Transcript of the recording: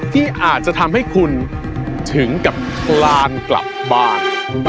ที่อาจจะทำให้คุณถึงกับคลานกลับบ้าน